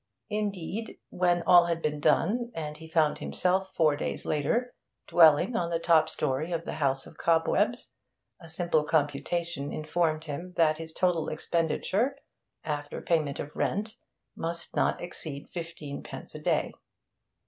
Indeed, when all had been done, and he found himself, four days later, dwelling on the top story of the house of cobwebs, a simple computation informed him that his total expenditure, after payment of rent, must not exceed fifteenpence a day.